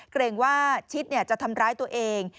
เกรงว่าชิดจะทำร้ายตัวเอง